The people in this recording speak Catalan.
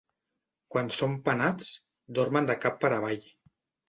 Quan són penats, dormen de cap per avall.